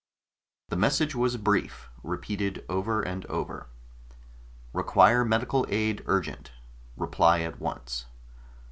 The message was brief, repeated over and over: REQUIRE MEDICAL AID URGENT REPLY AT ONCE.